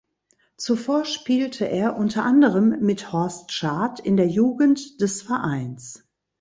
Zuvor spielte er unter anderem mit Horst Schad in der Jugend des Vereins.